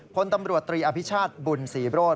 พลตำรวจตรีอภิชาติบุญศรีโรธ